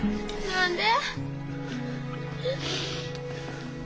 何で？